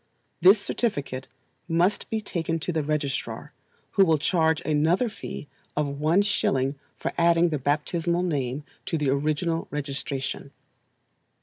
This certificate must he taken to the registrar, who will charge another fee of one shilling for adding the baptisinal name to the original registration.